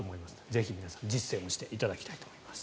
ぜひ皆さん実践をしていただきたいと思います。